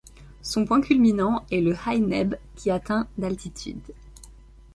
Son point culminant est le High Neb, qui atteint d'altitude.